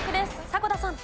迫田さん。